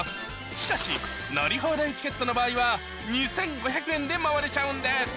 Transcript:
しかし乗り放題チケットの場合は２５００円で回れちゃうんです